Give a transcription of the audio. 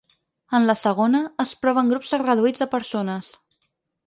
En la segona, es prova en grups reduïts de persones.